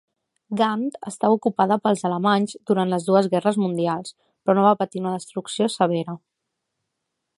Gant estava ocupada pels alemanys durant les dues Guerres Mundials, però no va patir una destrucció severa.